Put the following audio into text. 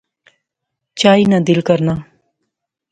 چائی نا دل کرنا